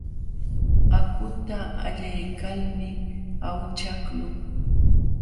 Akhuta allaykalmi awchaqlun.